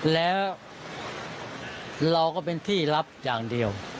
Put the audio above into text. แล้วเราก็เป็นที่รับอย่างเดียว